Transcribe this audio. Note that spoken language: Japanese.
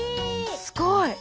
すごい。